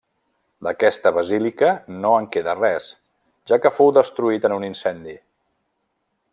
D'aquesta basílica no en queda res, ja que fou destruït en un incendi.